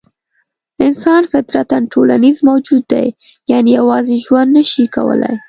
انسان فطرتاً ټولنیز موجود دی؛ یعنې یوازې ژوند نه شي کولای.